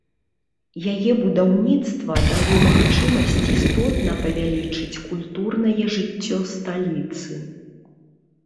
Яе будаўніцтва дало магчымасць істотна павялічыць культурнае жыццё сталіцы.